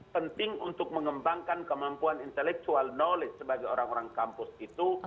penting untuk mengembangkan kemampuan intellectual knowledge sebagai orang orang kampus itu